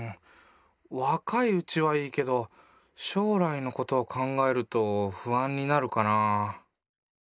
若いうちはいいけど将来のことを考えると不安になるかなぁ。